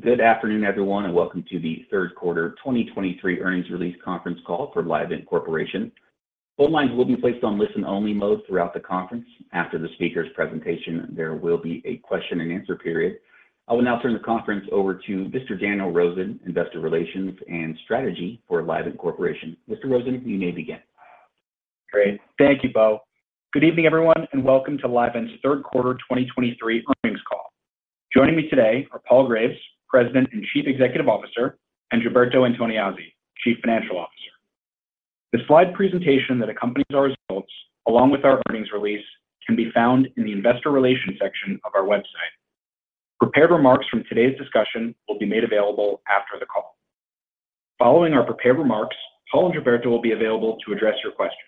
Good afternoon, everyone, and welcome to the Q3 2023 earnings release conference call for Livent Corporation. Phone lines will be placed on listen-only mode throughout the conference. After the speaker's presentation, there will be a question-and-answer period. I will now turn the conference over to Mr. Daniel Rosen, Investor Relations and Strategy for Livent Corporation. Mr. Rosen, you may begin. Great. Thank you, Bo. Good evening, everyone, and welcome to Livent's Q3 2023 earnings call. Joining me today are Paul Graves, President and Chief Executive Officer, and Gilberto Antoniazzi, Chief Financial Officer. The slide presentation that accompanies our results, along with our earnings release, can be found in the Investor Relations section of our website. Prepared remarks from today's discussion will be made available after the call. Following our prepared remarks, Paul and Gilberto will be available to address your questions.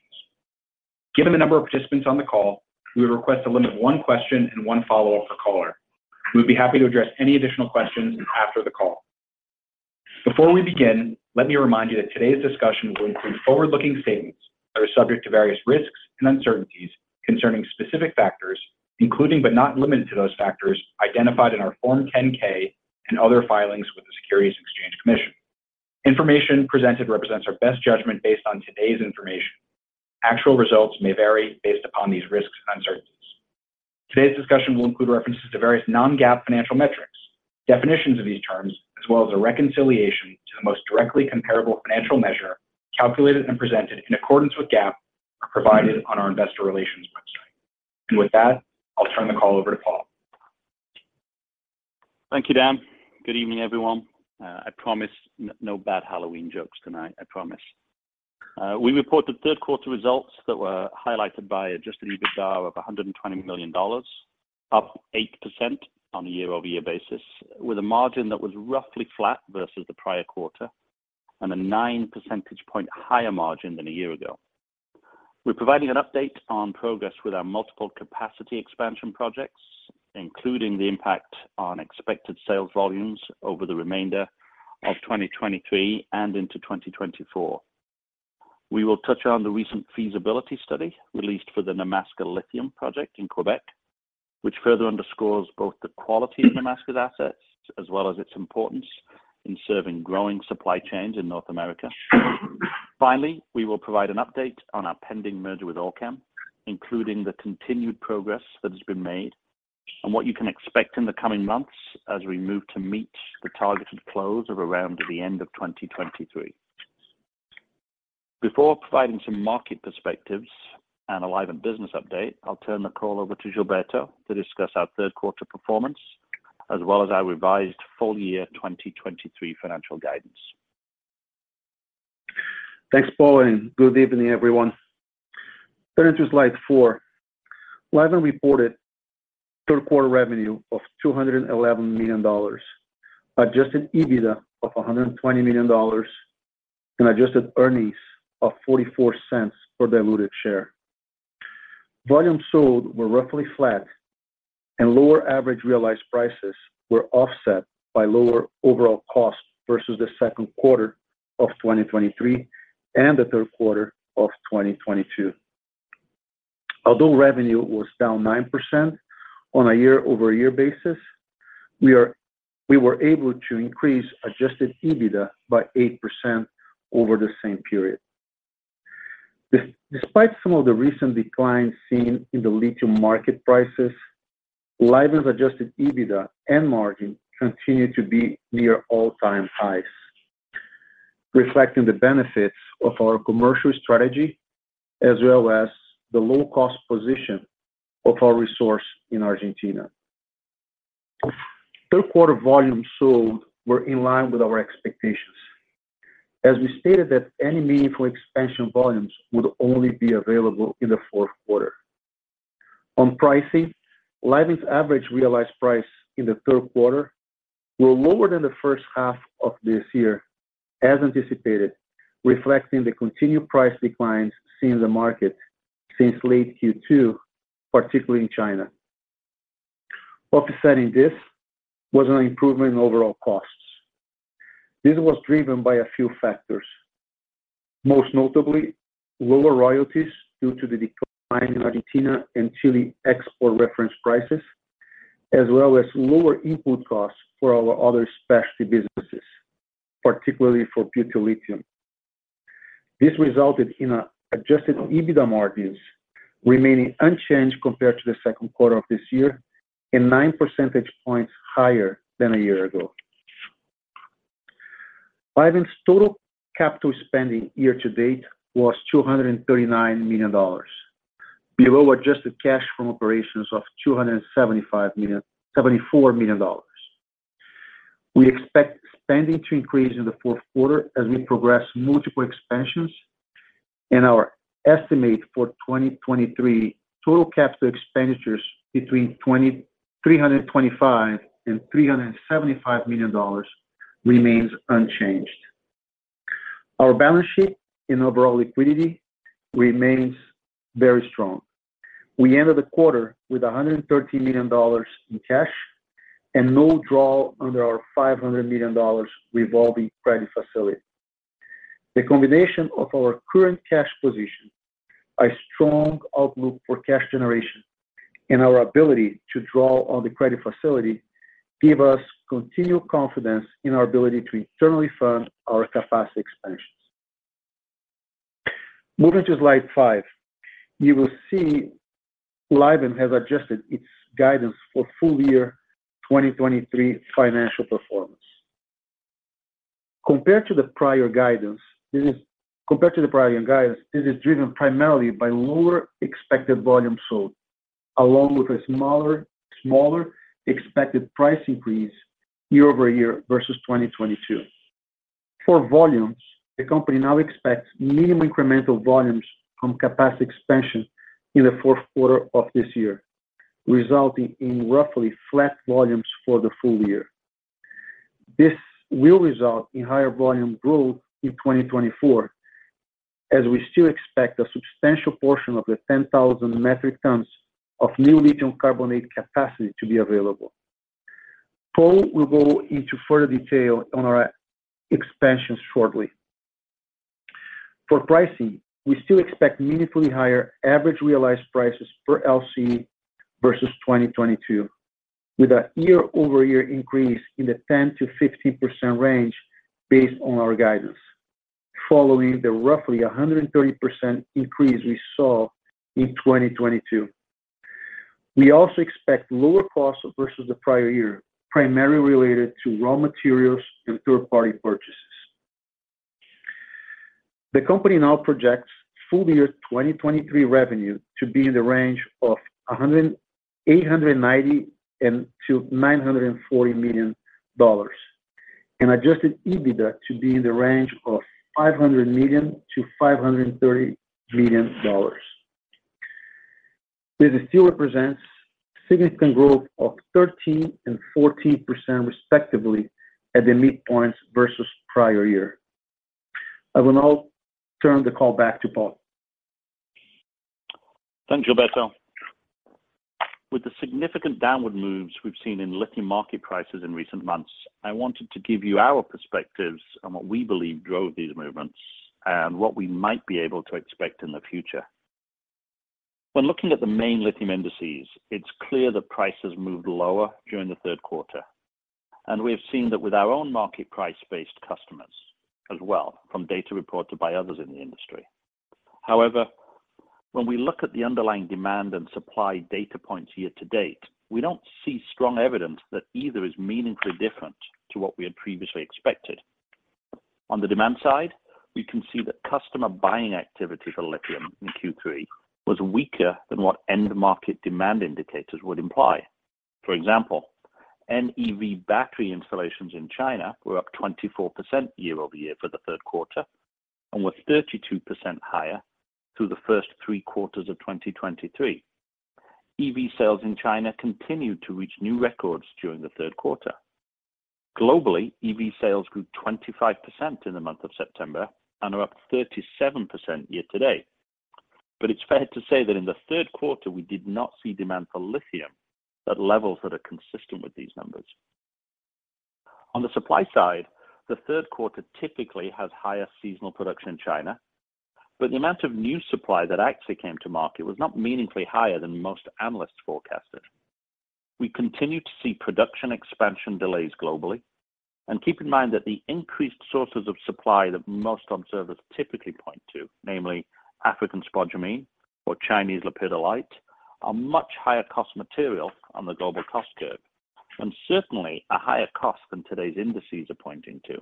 Given the number of participants on the call, we would request to limit one question and one follow-up per caller. We'd be happy to address any additional questions after the call. Before we begin, let me remind you that today's discussion will include forward-looking statements that are subject to various risks and uncertainties concerning specific factors, including but not limited to those factors identified in our Form 10-K and other filings with the Securities and Exchange Commission. Information presented represents our best judgment based on today's information. Actual results may vary based upon these risks and uncertainties. Today's discussion will include references to various non-GAAP financial metrics. Definitions of these terms, as well as a reconciliation to the most directly comparable financial measure, calculated and presented in accordance with GAAP, are provided on our investor relations website. With that, I'll turn the call over to Paul. Thank you, Dan. Good evening, everyone. I promise, no, no bad Halloween jokes tonight. I promise. We report the Q3 results that were highlighted by adjusted EBITDA of $120 million, up 8% on a year-over-year basis, with a margin that was roughly flat versus the prior quarter, and a 9 percentage point higher margin than a year ago. We're providing an update on progress with our multiple capacity expansion projects, including the impact on expected sales volumes over the remainder of 2023 and into 2024. We will touch on the recent feasibility study released for the Nemaska Lithium project in Quebec, which further underscores both the quality of Nemaska's assets as well as its importance in serving growing supply chains in North America. Finally, we will provide an update on our pending merger with Allkem, including the continued progress that has been made and what you can expect in the coming months as we move to meet the targeted close of around the end of 2023. Before providing some market perspectives and a Livent business update, I'll turn the call over to Gilberto to discuss our Q3 performance, as well as our revised full year 2023 financial guidance. Thanks, Paul, and good evening, everyone. Turning to slide 4, Livent reported Q3 revenue of $211 million, adjusted EBITDA of $120 million, and adjusted earnings of $0.44 per diluted share. Volumes sold were roughly flat, and lower average realized prices were offset by lower overall costs versus theQ2 of 2023 and the Q3 of 2022. Although revenue was down 9% on a year-over-year basis, we were able to increase adjusted EBITDA by 8% over the same period. Despite some of the recent declines seen in the lithium market prices, Livent's adjusted EBITDA and margin continued to be near all-time highs, reflecting the benefits of our commercial strategy, as well as the low-cost position of our resource in Argentina. Q3 volumes sold were in line with our expectations. As we stated that any meaningful expansion volumes would only be available in the Q4. On pricing, Livent's average realized price in the Q3 was lower than the first half of this year, as anticipated, reflecting the continued price declines seen in the market since late Q2, particularly in China. Offsetting this, was an improvement in overall costs. This was driven by a few factors, most notably, lower royalties due to the decline in Argentina and Chile export reference prices, as well as lower input costs for our other specialty businesses, particularly for butyllithium. This resulted in an adjusted EBITDA margins remaining unchanged compared to the Q2 of this year and nine percentage points higher than a year ago. Livent's total capital spending year to date was $239 million, below adjusted cash from operations of $275 million, $74 million dollars. We expect spending to increase in the Q4 as we progress multiple expansions, and our estimate for 2023 total capital expenditures between $325 million-$375 million remains unchanged. Our balance sheet and overall liquidity remains very strong. We ended the quarter with $113 million in cash and no draw under our $500 million revolving credit facility. The combination of our current cash position, a strong outlook for cash generation, and our ability to draw on the credit facility, give us continued confidence in our ability to internally fund our capacity expansions. Moving to slide 5, you will see Livent has adjusted its guidance for full year 2023 financial performance. Compared to the prior guidance, this is driven primarily by lower expected volume sold, along with a smaller expected price increase year-over-year versus 2022. For volumes, the company now expects minimal incremental volumes from capacity expansion in the Q4 of this year, resulting in roughly flat volumes for the full year. This will result in higher volume growth in 2024, as we still expect a substantial portion of the 10,000 metric tons of new lithium carbonate capacity to be available. Paul will go into further detail on our expansions shortly. For pricing, we still expect meaningfully higher average realized prices per LCE versus 2022, with a year-over-year increase in the 10%-15% range based on our guidance, following the roughly 130% increase we saw in 2022. We also expect lower costs versus the prior year, primarily related to raw materials and third-party purchases. The company now projects full year 2023 revenue to be in the range of $890 million-$940 million, and Adjusted EBITDA to be in the range of $500 million-$530 million. This still represents significant growth of 13% and 14% respectively, at the midpoints versus prior year. I will now turn the call back to Paul. Thanks, Gilberto. With the significant downward moves we've seen in lithium market prices in recent months, I wanted to give you our perspectives on what we believe drove these movements and what we might be able to expect in the future. When looking at the main lithium indices, it's clear that prices moved lower during the Q3, and we have seen that with our own market price-based customers as well, from data reported by others in the industry. However, when we look at the underlying demand and supply data points year to-date, we don't see strong evidence that either is meaningfully different to what we had previously expected. On the demand side, we can see that customer buying activity for lithium in Q3 was weaker than what end market demand indicators would imply. For example, NEV battery installations in China were up 24% year-over-year for the Q3 and were 32% higher through the first three quarters of 2023. EV sales in China continued to reach new records during the Q3. Globally, EV sales grew 25% in the month of September and are up 37% year to date. But it's fair to say that in the Q3, we did not see demand for lithium at levels that are consistent with these numbers. On the supply side, the Q3 typically has higher seasonal production in China, but the amount of new supply that actually came to market was not meaningfully higher than most analysts forecasted. We continue to see production expansion delays globally, and keep in mind that the increased sources of supply that most observers typically point to, namely African spodumene or Chinese lepidolite, are much higher cost material on the global cost curve, and certainly a higher cost than today's indices are pointing to.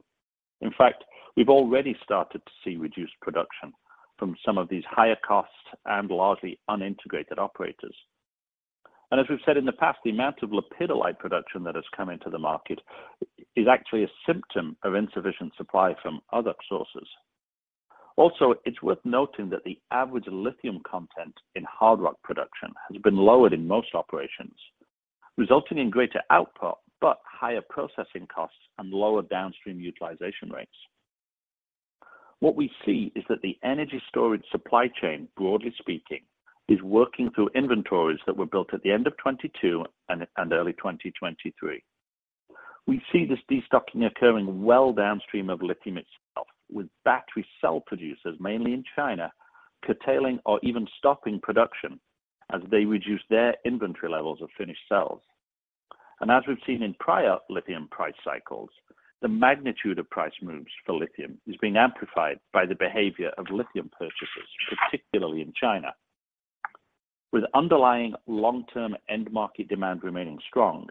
In fact, we've already started to see reduced production from some of these higher costs and largely unintegrated operators. As we've said in the past, the amount of lepidolite production that has come into the market is actually a symptom of insufficient supply from other sources. Also, it's worth noting that the average lithium content in hard rock production has been lowered in most operations, resulting in greater output, but higher processing costs and lower downstream utilization rates. What we see is that the energy storage supply chain, broadly speaking, is working through inventories that were built at the end of 2022 and early 2023. We see this destocking occurring well downstream of lithium itself, with battery cell producers, mainly in China, curtailing or even stopping production as they reduce their inventory levels of finished cells. And as we've seen in prior lithium price cycles, the magnitude of price moves for lithium is being amplified by the behavior of lithium purchasers, particularly in China. With underlying long-term end market demand remaining strong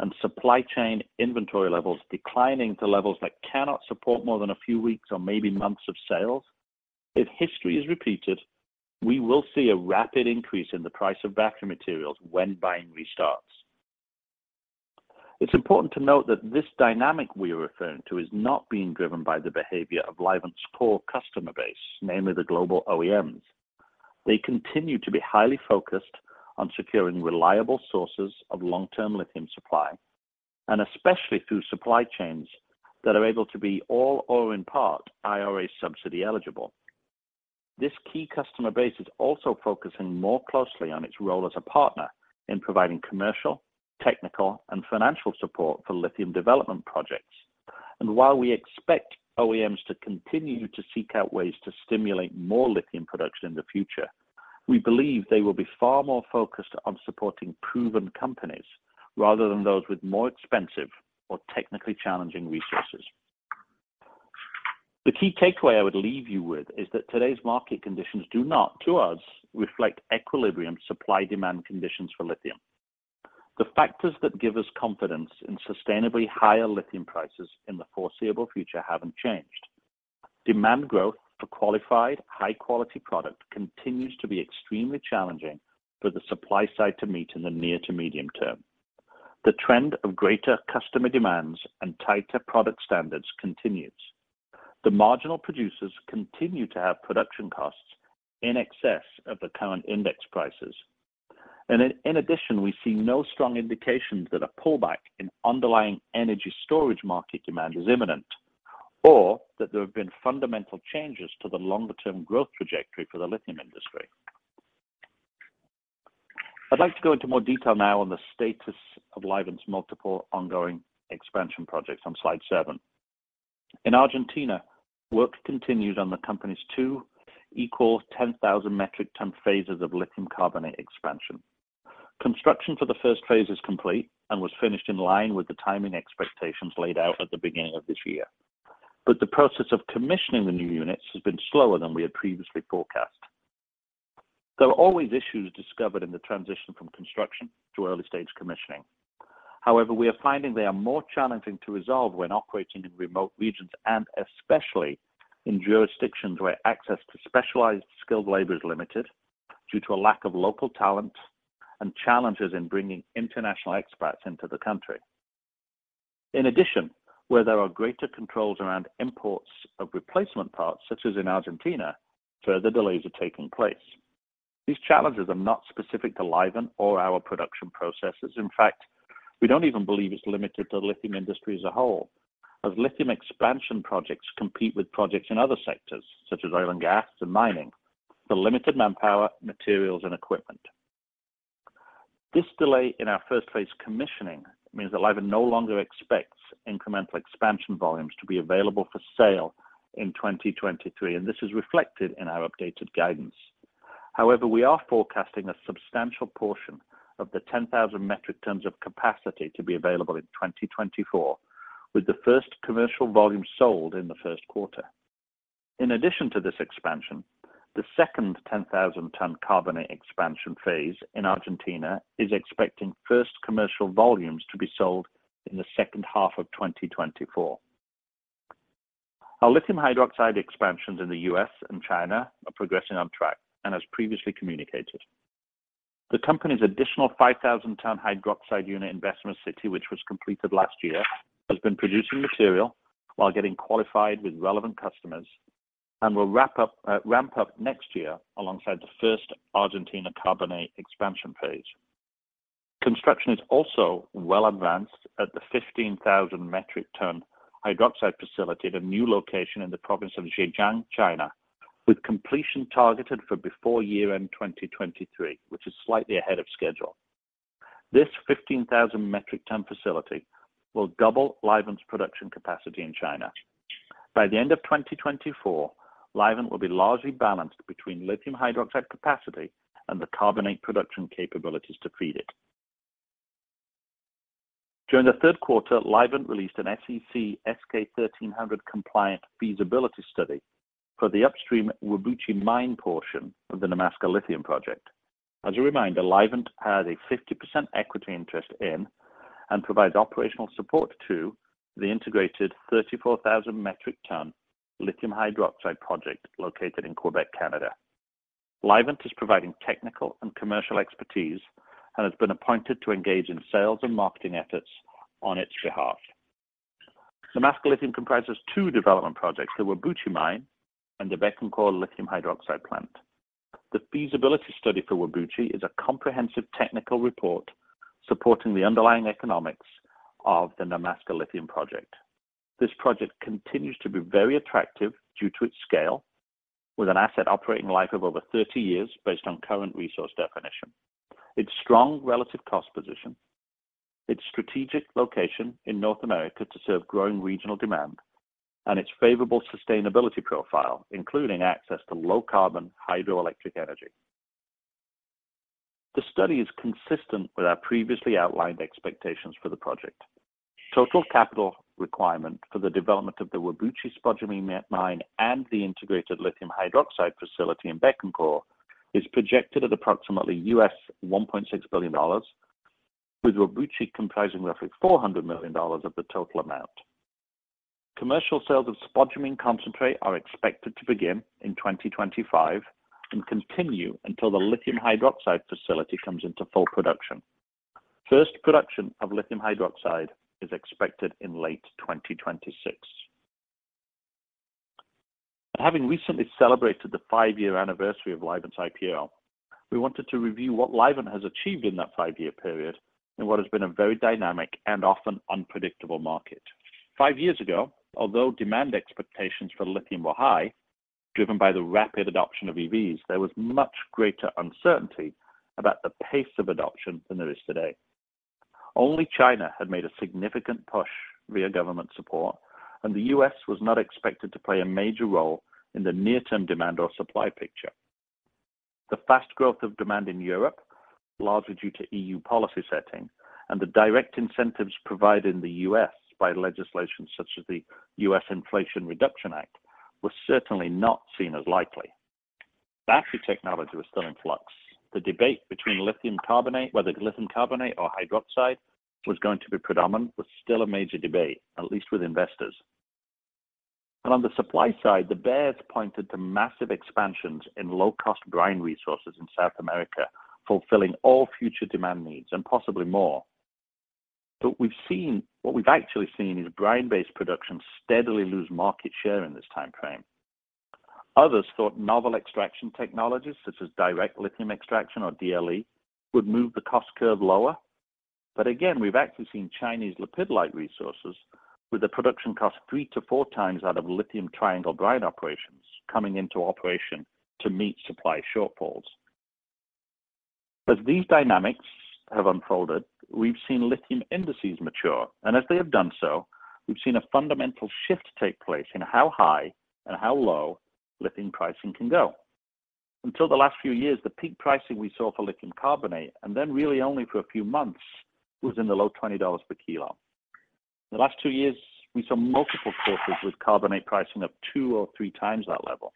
and supply chain inventory levels declining to levels that cannot support more than a few weeks or maybe months of sales, if history is repeated, we will see a rapid increase in the price of battery materials when buying restarts. It's important to note that this dynamic we are referring to is not being driven by the behavior of Livent's core customer base, namely the global OEMs. They continue to be highly focused on securing reliable sources of long-term lithium supply, and especially through supply chains that are able to be all or in part, IRA subsidy eligible. This key customer base is also focusing more closely on its role as a partner in providing commercial, technical, and financial support for lithium development projects. While we expect OEMs to continue to seek out ways to stimulate more lithium production in the future, we believe they will be far more focused on supporting proven companies rather than those with more expensive or technically challenging resources. The key takeaway I would leave you with is that today's market conditions do not, to us, reflect equilibrium supply-demand conditions for lithium. The factors that give us confidence in sustainably higher lithium prices in the foreseeable future haven't changed. Demand growth for qualified, high-quality product continues to be extremely challenging for the supply side to meet in the near to medium term. The trend of greater customer demands and tighter product standards continues. The marginal producers continue to have production costs in excess of the current index prices. And in addition, we see no strong indications that a pullback in underlying energy storage market demand is imminent, or that there have been fundamental changes to the longer-term growth trajectory for the lithium industry. I'd like to go into more detail now on the status of Livent's multiple ongoing expansion projects on slide 7. In Argentina, work continued on the company's two equal 10,000 metric ton phases of lithium carbonate expansion. Construction for the first phase is complete and was finished in line with the timing expectations laid out at the beginning of this year. But the process of commissioning the new units has been slower than we had previously forecast. There are always issues discovered in the transition from construction to early stage commissioning. However, we are finding they are more challenging to resolve when operating in remote regions, and especially in jurisdictions where access to specialized skilled labor is limited, due to a lack of local talent and challenges in bringing international expats into the country. In addition, where there are greater controls around imports of replacement parts, such as in Argentina, further delays are taking place. These challenges are not specific to Livent or our production processes. In fact, we don't even believe it's limited to the lithium industry as a whole, as lithium expansion projects compete with projects in other sectors, such as oil and gas and mining, for limited manpower, materials, and equipment. This delay in our first phase commissioning means that Livent no longer expects incremental expansion volumes to be available for sale in 2023, and this is reflected in our updated guidance. However, we are forecasting a substantial portion of the 10,000 metric tons of capacity to be available in 2024, with the first commercial volume sold in the Q1. In addition to this expansion, the second 10,000-ton carbonate expansion phase in Argentina is expecting first commercial volumes to be sold in the second half of 2024. Our lithium hydroxide expansions in the U.S. and China are progressing on track and as previously communicated. The company's additional 5,000-ton hydroxide unit in Bessemer City, which was completed last year, has been producing material while getting qualified with relevant customers and will wrap up ramp up next year alongside the first Argentina carbonate expansion phase. Construction is also well advanced at the 15,000-metric-ton hydroxide facility at a new location in the province of Zhejiang, China, with completion targeted for before year-end 2023, which is slightly ahead of schedule. This 15,000-metric-ton facility will double Livent's production capacity in China. By the end of 2024, Livent will be largely balanced between lithium hydroxide capacity and the carbonate production capabilities to feed it. During the Q3, Livent released an SEC SK-1300 compliant feasibility study for the upstream Whabouchi mine portion of the Nemaska Lithium project. As a reminder, Livent has a 50% equity interest in and provides operational support to the integrated 34,000 metric ton lithium hydroxide project located in Quebec, Canada. Livent is providing technical and commercial expertise and has been appointed to engage in sales and marketing efforts on its behalf. Nemaska Lithium comprises two development projects, the Whabouchi Mine and the Bécancour Lithium Hydroxide Plant. The feasibility study for Whabouchi is a comprehensive technical report supporting the underlying economics of the Nemaska Lithium project. This project continues to be very attractive due to its scale, with an asset operating life of over 30 years based on current resource definition, its strong relative cost position, its strategic location in North America to serve growing regional demand, and its favorable sustainability profile, including access to low carbon hydroelectric energy. The study is consistent with our previously outlined expectations for the project. Total capital requirement for the development of the Whabouchi Spodumene mine and the integrated lithium hydroxide facility in Bécancour is projected at approximately $1.6 billion, with Whabouchi comprising roughly $400 million of the total amount. Commercial sales of spodumene concentrate are expected to begin in 2025 and continue until the lithium hydroxide facility comes into full production. First production of lithium hydroxide is expected in late 2026. Having recently celebrated the five-year anniversary of Livent's IPO. We wanted to review what Livent has achieved in that five-year period, in what has been a very dynamic and often unpredictable market. Five years ago, although demand expectations for lithium were high, driven by the rapid adoption of EVs, there was much greater uncertainty about the pace of adoption than there is today. Only China had made a significant push via government support, and the U.S. was not expected to play a major role in the near-term demand or supply picture. The fast growth of demand in Europe, largely due to EU policy setting and the direct incentives provided in the U.S. by legislation such as the U.S. Inflation Reduction Act, was certainly not seen as likely. Battery technology was still in flux. The debate between lithium carbonate, whether lithium carbonate or hydroxide was going to be predominant, was still a major debate, at least with investors. On the supply side, the bears pointed to massive expansions in low-cost brine resources in South America, fulfilling all future demand needs and possibly more. But we've seen what we've actually seen is brine-based production steadily lose market share in this time frame. Others thought novel extraction technologies, such as direct lithium extraction or DLE, would move the cost curve lower. But again, we've actually seen Chinese lepidolite resources with a production cost 3-4 times that of Lithium Triangle brine operations coming into operation to meet supply shortfalls. As these dynamics have unfolded, we've seen lithium indices mature, and as they have done so, we've seen a fundamental shift take place in how high and how low lithium pricing can go. Until the last few years, the peak pricing we saw for lithium carbonate, and then really only for a few months, was in the low $20 per kilo. The last 2 years, we saw multiple quarters with carbonate pricing up 2 or 3 times that level.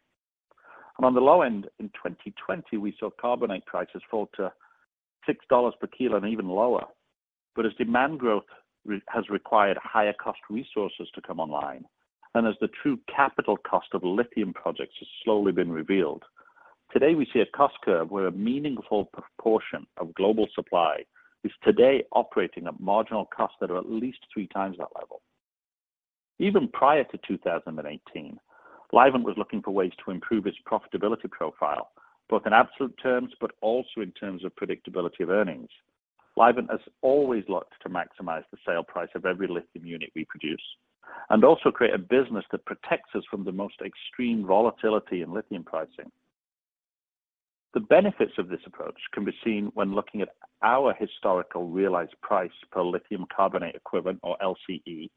And on the low end, in 2020, we saw carbonate prices fall to $6 per kilo and even lower. But as demand growth has required higher cost resources to come online, and as the true capital cost of lithium projects has slowly been revealed, today we see a cost curve where a meaningful proportion of global supply is today operating at marginal costs that are at least three times that level. Even prior to 2018, Livent was looking for ways to improve its profitability profile, both in absolute terms but also in terms of predictability of earnings. Livent has always looked to maximize the sale price of every lithium unit we produce, and also create a business that protects us from the most extreme volatility in lithium pricing. The benefits of this approach can be seen when looking at our historical realized price per lithium carbonate equivalent or LCE,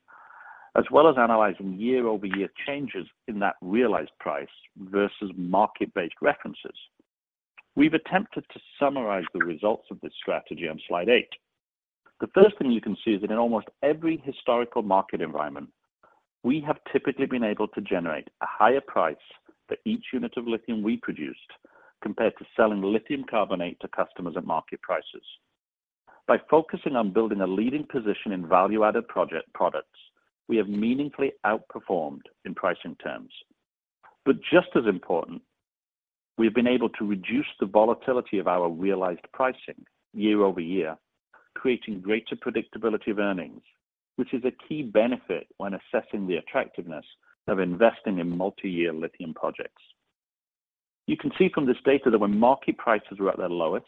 as well as analyzing year-over-year changes in that realized price versus market-based references. We've attempted to summarize the results of this strategy on slide 8. The first thing you can see is that in almost every historical market environment, we have typically been able to generate a higher price for each unit of lithium we produced, compared to selling lithium carbonate to customers at market prices. By focusing on building a leading position in value-added project products, we have meaningfully outperformed in pricing terms. But just as important, we've been able to reduce the volatility of our realized pricing year-over-year, creating greater predictability of earnings, which is a key benefit when assessing the attractiveness of investing in multi-year lithium projects. You can see from this data that when market prices were at their lowest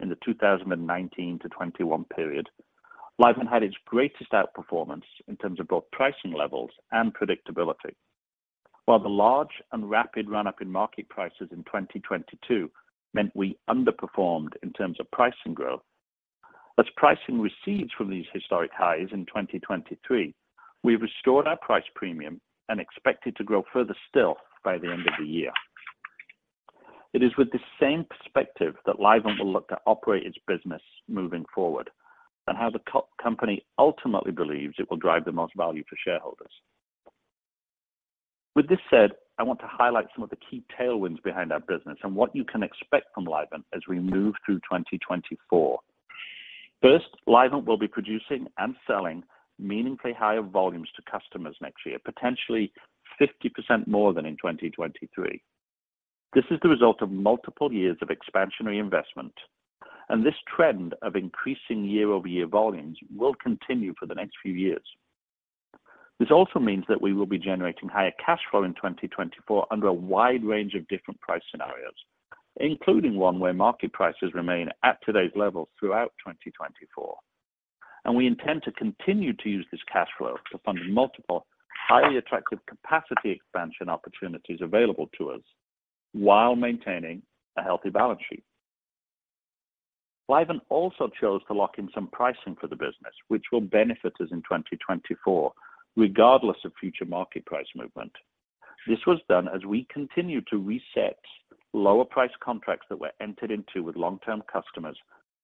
in the 2019-2021 period, Livent had its greatest outperformance in terms of both pricing levels and predictability. While the large and rapid run-up in market prices in 2022 meant we underperformed in terms of pricing growth, as pricing recedes from these historic highs in 2023, we restored our price premium and expect it to grow further still by the end of the year. It is with this same perspective that Livent will look to operate its business moving forward, and how the combined company ultimately believes it will drive the most value for shareholders. With this said, I want to highlight some of the key tailwinds behind our business and what you can expect from Livent as we move through 2024. First, Livent will be producing and selling meaningfully higher volumes to customers next year, potentially 50% more than in 2023. This is the result of multiple years of expansionary investment, and this trend of increasing year-over-year volumes will continue for the next few years. This also means that we will be generating higher cash flow in 2024 under a wide range of different price scenarios, including one where market prices remain at today's levels throughout 2024 and we intend to continue to use this cash flow to fund multiple, highly attractive capacity expansion opportunities available to us while maintaining a healthy balance sheet. Livent also chose to lock in some pricing for the business, which will benefit us in 2024, regardless of future market price movement. This was done as we continued to reset lower price contracts that were entered into with long-term customers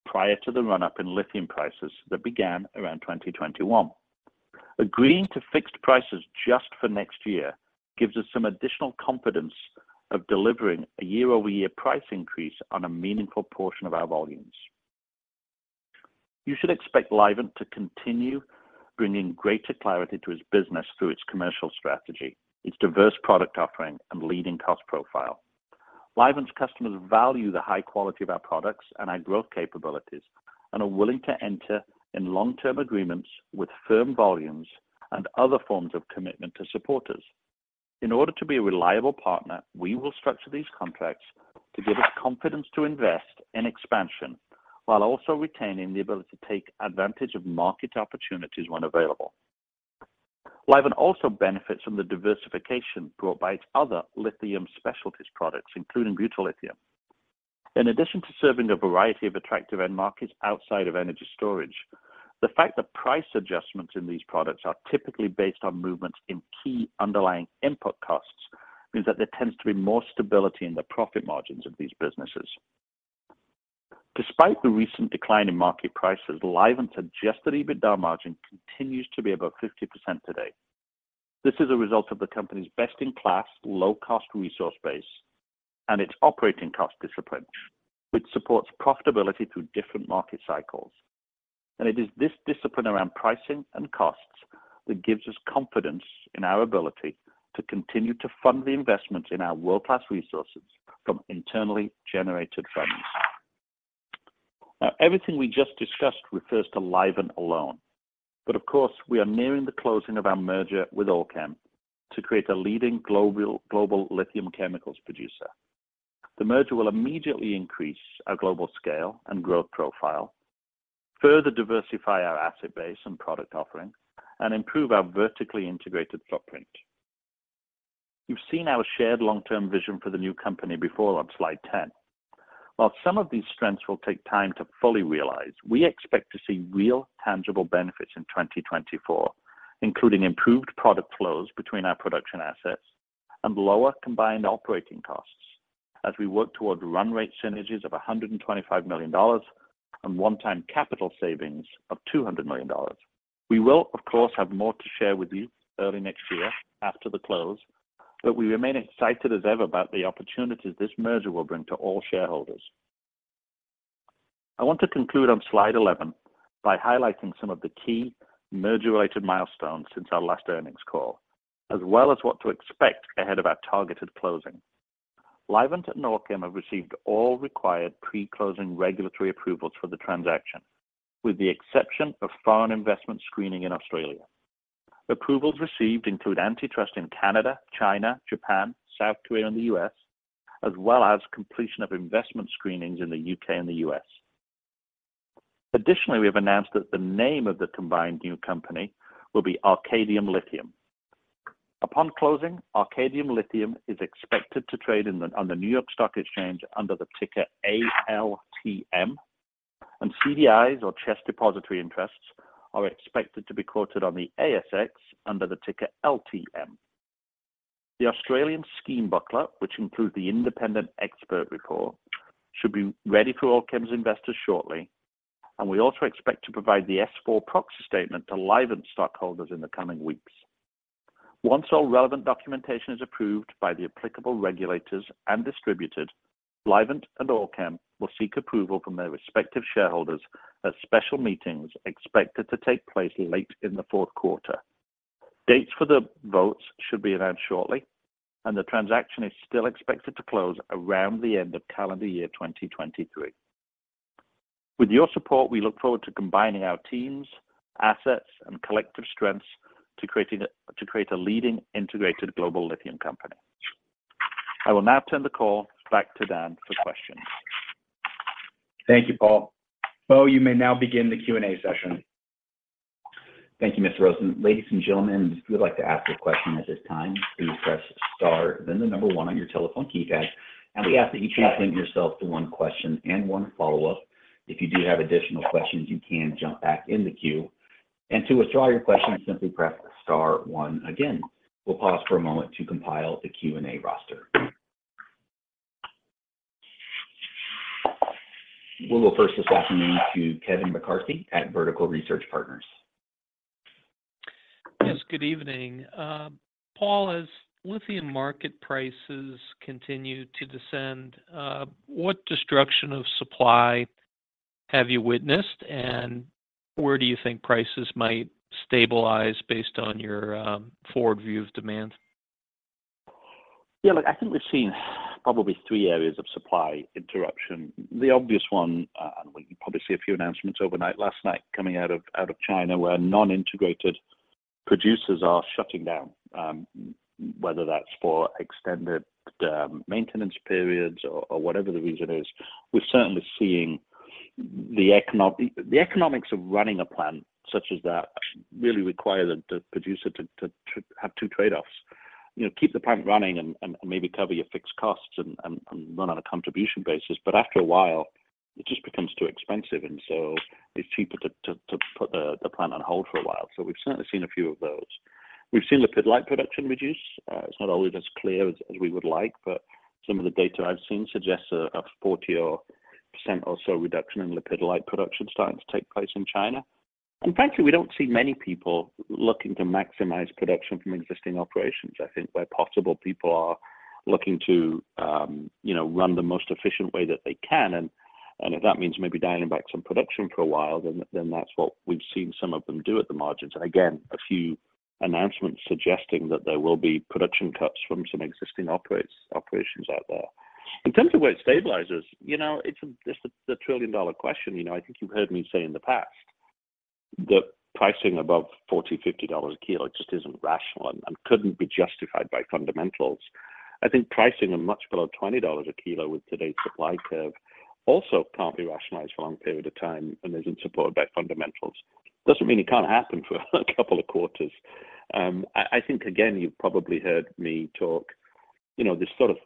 prior to the run-up in lithium prices that began around 2021. Agreeing to fixed prices just for next year gives us some additional confidence of delivering a year-over-year price increase on a meaningful portion of our volumes. You should expect Livent to continue bringing greater clarity to its business through its commercial strategy, its diverse product offering, and leading cost profile. Livent's customers value the high quality of our products and our growth capabilities and are willing to enter in long-term agreements with firm volumes and other forms of commitment to support us. In order to be a reliable partner, we will structure these contracts to give us confidence to invest in expansion, while also retaining the ability to take advantage of market opportunities when available. Livent also benefits from the diversification brought by its other lithium specialties products, including butyllithium. In addition to serving a variety of attractive end markets outside of energy storage, the fact that price adjustments in these products are typically based on movements in key underlying input costs, means that there tends to be more stability in the profit margins of these businesses. Despite the recent decline in market prices, Livent's Adjusted EBITDA margin continues to be above 50% today. This is a result of the company's best-in-class, low-cost resource base and its operating cost discipline, which supports profitability through different market cycles. It is this discipline around pricing and costs that gives us confidence in our ability to continue to fund the investments in our world-class resources from internally generated funds. Now, everything we just discussed refers to Livent alone, but of course, we are nearing the closing of our merger with Allkem to create a leading global lithium chemicals producer. The merger will immediately increase our global scale and growth profile, further diversify our asset base and product offerings, and improve our vertically integrated footprint. You've seen our shared long-term vision for the new company before on slide 10. While some of these strengths will take time to fully realize, we expect to see real, tangible benefits in 2024, including improved product flows between our production assets and lower combined operating costs as we work toward run rate synergies of $125 million and one-time capital savings of $200 million. We will, of course, have more to share with you early next year after the close, but we remain excited as ever about the opportunities this merger will bring to all shareholders. I want to conclude on slide 11 by highlighting some of the key merger-related milestones since our last earnings call, as well as what to expect ahead of our targeted closing. Livent and Allkem have received all required pre-closing regulatory approvals for the transaction, with the exception of foreign investment screening in Australia. Approvals received include antitrust in Canada, China, Japan, South Korea, and the U.S., as well as completion of investment screenings in the U.K. and the U.S. Additionally, we have announced that the name of the combined new company will be Arcadium Lithium. Upon closing, Arcadium Lithium is expected to trade on the New York Stock Exchange under the ticker ALTM, and CDIs, or CHESS Depositary Interests, are expected to be quoted on the ASX under the ticker LTM. The Australian scheme booklet, which includes the independent expert report, should be ready for Allkem's investors shortly, and we also expect to provide the S-4 proxy statement to Livent stockholders in the coming weeks. Once all relevant documentation is approved by the applicable regulators and distributed, Livent and Allkem will seek approval from their respective shareholders at special meetings expected to take place late in the Q4. Dates for the votes should be announced shortly, and the transaction is still expected to close around the end of calendar year 2023. With your support, we look forward to combining our teams, assets, and collective strengths to create a leading integrated global lithium company. I will now turn the call back to Dan for questions. Thank you, Paul. Bo, you may now begin the Q&A session. Thank you, Mr. Rosen. Ladies and gentlemen, if you would like to ask a question at this time, please press star then the number one on your telephone keypad, and we ask that you limit yourself to one question and one follow-up. If you do have additional questions, you can jump back in the queue, and to withdraw your question, simply press star one again. We'll pause for a moment to compile the Q&A roster. We will first this afternoon to Kevin McCarthy at Vertical Research Partners. Yes, good evening. Paul, as lithium market prices continue to descend, what destruction of supply have you witnessed, and where do you think prices might stabilize based on your forward view of demand? Yeah, look, I think we've seen probably three areas of supply interruption. The obvious one, and we probably see a few announcements overnight last night coming out of China, where non-integrated producers are shutting down, whether that's for extended maintenance periods or whatever the reason is, we're certainly seeing the economics of running a plant such as that really require the producer to have two trade-offs. You know, keep the plant running and maybe cover your fixed costs and run on a contribution basis, but after a while, it just becomes too expensive, and so it's cheaper to put the plant on hold for a while. So we've certainly seen a few of those. We've seen lepidolite production reduce. It's not always as clear as we would like, but some of the data I've seen suggests a 40% or so reduction in lithium production starting to take place in China. And frankly, we don't see many people looking to maximize production from existing operations. I think where possible, people are looking to, you know, run the most efficient way that they can, and if that means maybe dialing back some production for a while, then that's what we've seen some of them do at the margins. Again, a few announcements suggesting that there will be production cuts from some existing operations out there. In terms of where it stabilizes, you know, it's a trillion-dollar question. You know, I think you've heard me say in the past. The pricing above $40-$50 a kilo just isn't rational and couldn't be justified by fundamentals. I think pricing them much below $20 a kilo with today's supply curve also can't be rationalized for a long period of time and isn't supported by fundamentals. Doesn't mean it can't happen for a couple of quarters. I think, again, you've probably heard me talk, you know, this sort of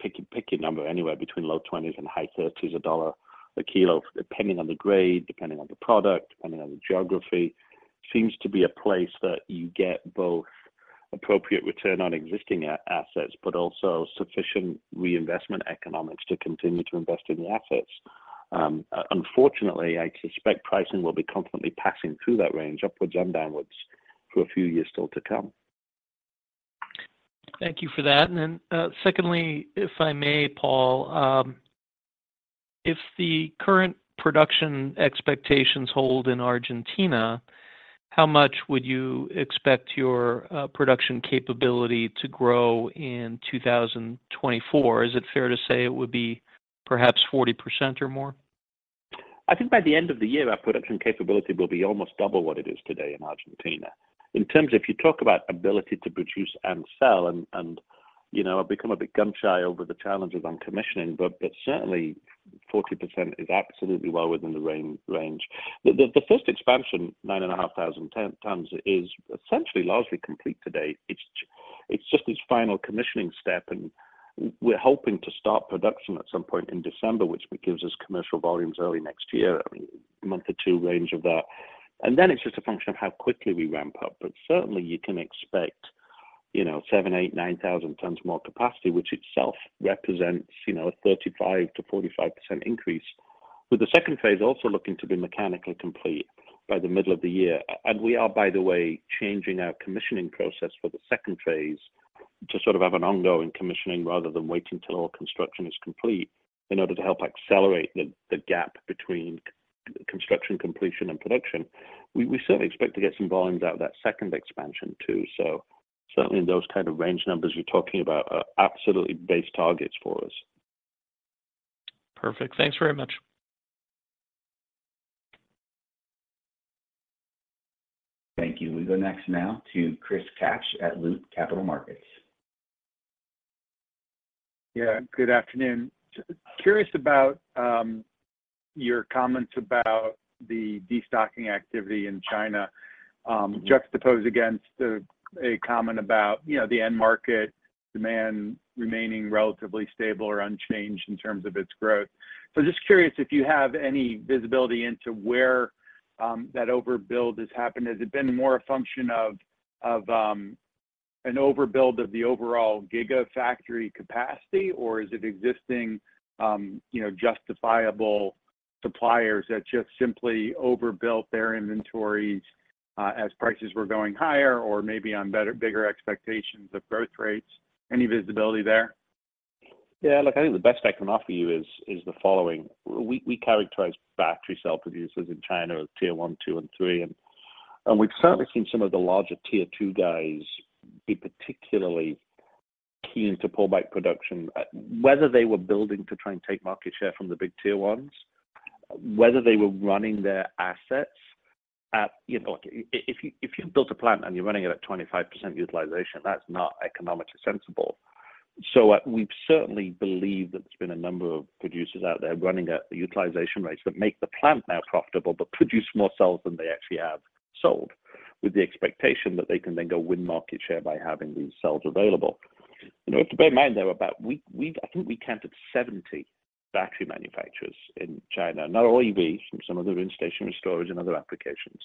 pick a number anywhere between low 20s and high 30s a dollar a kilo, depending on the grade, depending on the product, depending on the geography, seems to be a place that you get both appropriate return on existing assets, but also sufficient reinvestment economics to continue to invest in the assets. Unfortunately, I suspect pricing will be constantly passing through that range, upwards and downwards, for a few years still to come. Thank you for that. Then, secondly, if I may, Paul, if the current production expectations hold in Argentina, how much would you expect your production capability to grow in 2024? Is it fair to say it would be perhaps 40% or more? I think by the end of the year, our production capability will be almost double what it is today in Argentina. In terms of if you talk about ability to produce and sell and, you know, I've become a bit gun-shy over the challenges on commissioning, but certainly 40% is absolutely well within the range. The first expansion, 9,500 tons, is essentially largely complete today. It's just this final commissioning step, and we're hoping to start production at some point in December, which gives us commercial volumes early next year, a month or two range of that. Then it's just a function of how quickly we ramp up, but certainly you can expect, you know, 7000, 8000, 9000 tons more capacity, which itself represents, you know, a 35%-45% increase, with the second phase also looking to be mechanically complete by the middle of the year. And we are, by the way, changing our commissioning process for the second phase to sort of have an ongoing commissioning rather than wait until all construction is complete in order to help accelerate the gap between construction completion and production. We certainly expect to get some volumes out of that second expansion, too. So certainly those kind of range numbers you're talking about are absolutely base targets for us. Perfect. Thanks very much. Thank you. We go next now to Chris Kapsch at Loop Capital Markets. Yeah, good afternoon. Just curious about your comments about the destocking activity in China, juxtaposed against a comment about, you know, the end market demand remaining relatively stable or unchanged in terms of its growth. So just curious if you have any visibility into where that overbuild has happened. Has it been more a function of an overbuild of the overall gigafactory capacity, or is it existing, you know, justifiable suppliers that just simply overbuilt their inventories as prices were going higher, or maybe on better, bigger expectations of growth rates? Any visibility there? Yeah, look, I think the best I can offer you is the following: We characterize battery cell producers in China as Tier One, two, and three, and we've certainly seen some of the larger Tier Two guys be particularly keen to pull back production. Whether they were building to try and take market share from the big Tier Ones, whether they were running their assets at, you know, like if you, if you've built a plant and you're running it at 25% utilization, that's not economically sensible. So, we certainly believe that there's been a number of producers out there running at utilization rates that make the plant now profitable, but produce more cells than they actually have sold, with the expectation that they can then go win market share by having these cells available. You know, to bear in mind, there are about, I think we counted 70 battery manufacturers in China, not all EVs, some of them in stationary storage and other applications.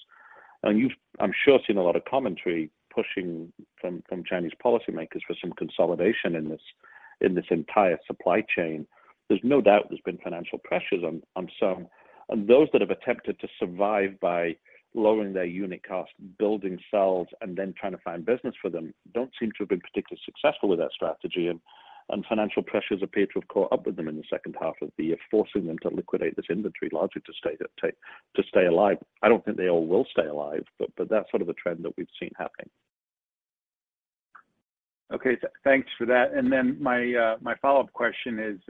And you've, I'm sure, seen a lot of commentary pushing from Chinese policymakers for some consolidation in this entire supply chain. There's no doubt there's been financial pressures on some, and those that have attempted to survive by lowering their unit cost, building cells, and then trying to find business for them, don't seem to have been particularly successful with that strategy, and financial pressures appear to have caught up with them in the second half of the year, forcing them to liquidate this inventory, largely to stay alive. I don't think they all will stay alive, but that's sort of the trend that we've seen happening. Okay, thanks for that. And then my follow-up question is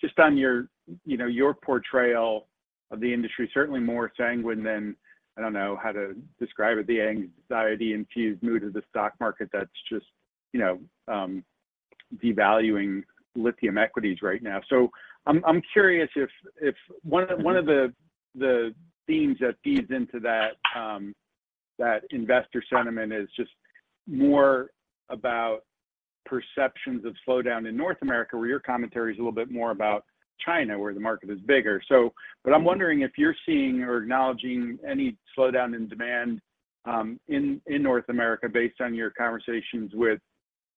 just on your, you know, your portrayal of the industry, certainly more sanguine than, I don't know how to describe it, the anxiety-infused mood of the stock market that's just, you know, devaluing lithium equities right now. So I'm curious if one of the themes that feeds into that, that investor sentiment is just more about perceptions of slowdown in North America, where your commentary is a little bit more about China, where the market is bigger. So but I'm wondering if you're seeing or acknowledging any slowdown in demand, in North America based on your conversations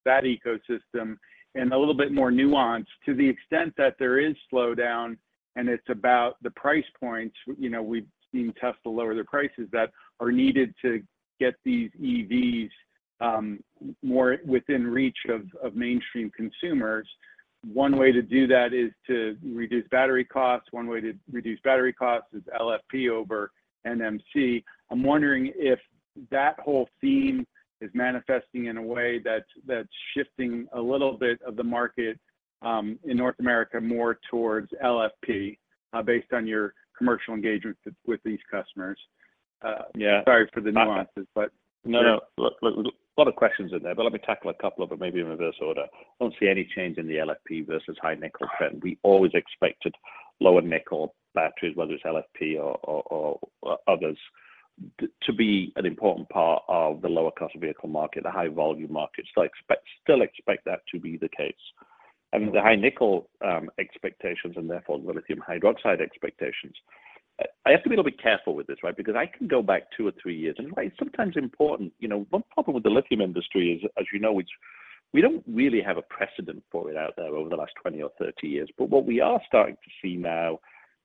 with that ecosystem, and a little bit more nuance to the extent that there is slowdown and it's about the price points. You know, we've seen Tesla lower their prices that are needed to get these EVs more within reach of, of mainstream consumers. One way to do that is to reduce battery costs. One way to reduce battery costs is LFP over NMC. I'm wondering if that whole theme is manifesting in a way that's, that's shifting a little bit of the market in North America more towards LFP based on your commercial engagements with, with these customers? Yeah, sorry for the nuances, but No, no. Look, look, a lot of questions in there, but let me tackle a couple of them, maybe in reverse order. I don't see any change in the LFP versus high nickel trend. We always expected lower nickel batteries, whether it's LFP or others, to be an important part of the lower cost of vehicle market, the high volume market. So I expect—still expect that to be the case. And the high nickel expectations, and therefore the lithium hydroxide expectations, I, I have to be a little bit careful with this, right. Because I can go back two or three years, and it's sometimes important, you know, one problem with the lithium industry is, as you know, it's we don't really have a precedent for it out there over the last 20 or 30 years. But what we are starting to see now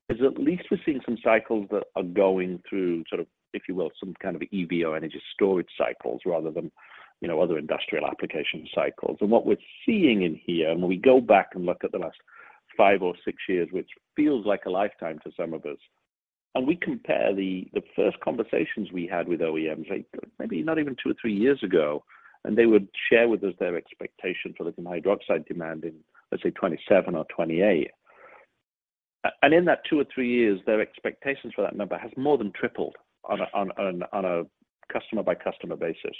is at least we're seeing some cycles that are going through sort of, if you will, some kind of EV or energy storage cycles rather than, you know, other industrial application cycles. And what we're seeing in here, when we go back and look at the last 5 or 6 years, which feels like a lifetime to some of us, and we compare the first conversations we had with OEMs, like maybe not even 2 or 3 years ago, and they would share with us their expectation for lithium hydroxide demand in, let's say, 2027 or 2028. And in that 2 or 3 years, their expectations for that number has more than tripled on a customer-by-customer basis.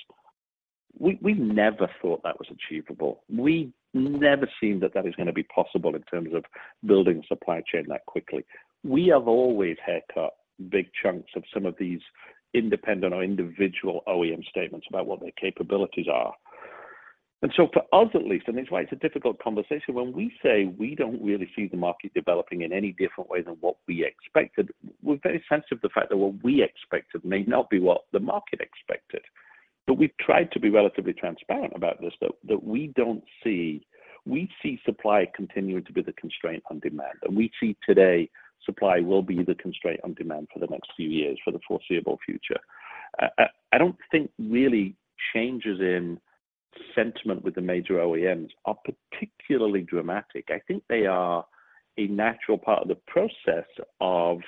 We never thought that was achievable. We never seen that that is going to be possible in terms of building a supply chain that quickly. We have always haircut big chunks of some of these independent or individual OEM statements about what their capabilities are. So for us, at least, and that's why it's a difficult conversation, when we say we don't really see the market developing in any different way than what we expected, we're very sensitive to the fact that what we expected may not be what the market expected. But we've tried to be relatively transparent about this, that we don't see, we see supply continuing to be the constraint on demand, and we see today supply will be the constraint on demand for the next few years, for the foreseeable future. I don't think really changes in sentiment with the major OEMs are particularly dramatic. I think they are a natural part of the process of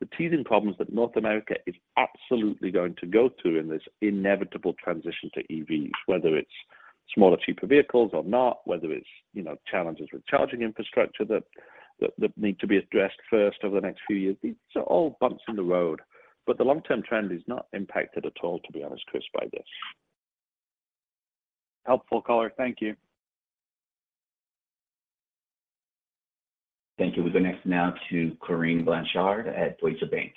the teething problems that North America is absolutely going to go through in this inevitable transition to EVs, whether it's smaller, cheaper vehicles or not, whether it's, you know, challenges with charging infrastructure that need to be addressed first over the next few years. These are all bumps in the road, but the long-term trend is not impacted at all, to be honest, Chris, by this. Helpful call. Thank you. Thank you. We go next now to Corinne Blanchard at Deutsche Bank.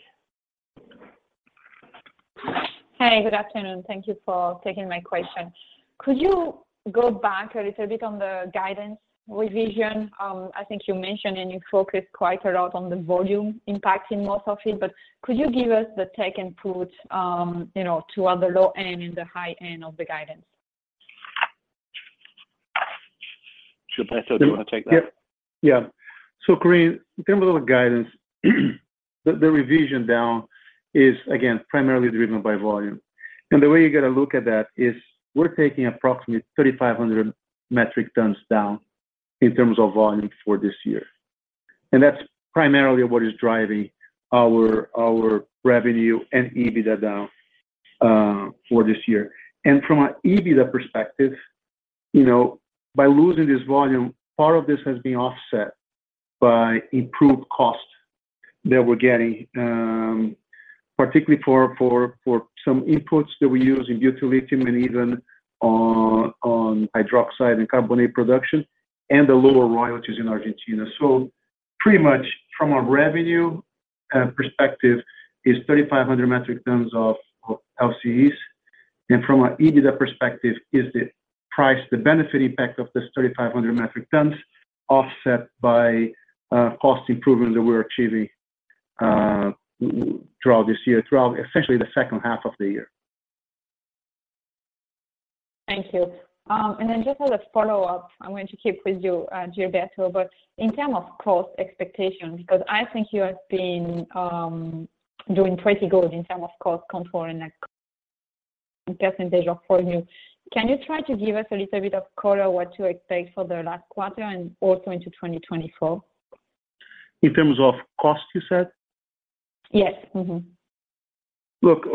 Hey, good afternoon. Thank you for taking my question. Could you go back a little bit on the guidance revision? I think you mentioned, and you focused quite a lot on the volume impacting most of it, but could you give us the take and put, you know, to on the low end and the high end of the guidance? Gilberto, do you want to take that? Yeah. Yeah. So Corinne, in terms of the guidance, the revision down is, again, primarily driven by volume. And the way you got to look at that is we're taking approximately 3,500 metric tons down in terms of volume for this year. And that's primarily what is driving our revenue and EBITDA down for this year. And from an EBITDA perspective, you know, by losing this volume, part of this has been offset by improved cost that we're getting, particularly for some inputs that we use in lithium and even on hydroxide and carbonate production, and the lower royalties in Argentina. So pretty much from a revenue perspective, is 3,500 metric tons of LCEs, and from an EBITDA perspective is the price, the benefit impact of this 3,500 metric tons, offset by cost improvement that we're achieving throughout this year, throughout essentially the second half of the year. Thank you. And then just as a follow-up, I'm going to keep with you, Gilberto, but in terms of cost expectations, because I think you have been doing pretty good in terms of cost control and like percentage of volume. Can you try to give us a little bit of color, what to expect for the last quarter and also into 2024? In terms of cost, you said? Yes. Mm-hmm. Look,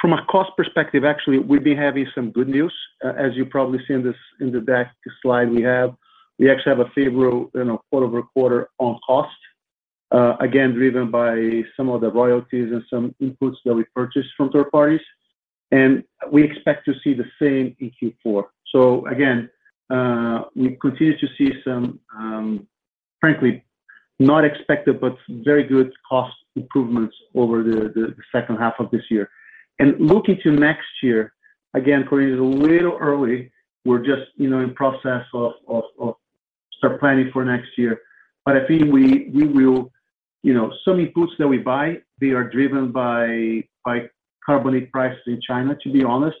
from a cost perspective, actually, we've been having some good news. As you've probably seen this in the deck slide we have, we actually have a favorable, you know, quarter-over-quarter on cost, again, driven by some of the royalties and some inputs that we purchased from third parties, and we expect to see the same in Q4. So again, we continue to see some, frankly, not expected, but very good cost improvements over the second half of this year. And looking to next year, again, Corinne, it's a little early. We're just, you know, in process of start planning for next year. But I think we, we will, you know, some inputs that we buy, they are driven by carbonate prices in China, to be honest.